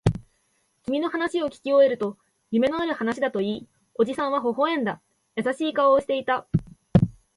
君の話をきき終えると、夢のある話だと言い、おじさんは微笑んだ。優しい顔をしていた。